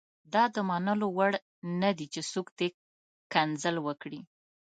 دا د منلو وړ نه دي چې څوک دې کنځل وکړي.